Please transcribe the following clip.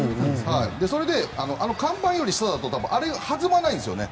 それで看板より下だとあれ、弾まないんですよね。